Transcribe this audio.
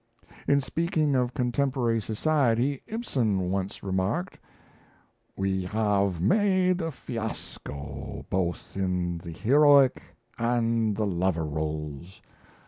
In speaking of contemporary society, Ibsen once remarked: "We have made a fiasco both in the heroic and the lover roles.